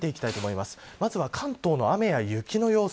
まずは関東の雨や雪の様子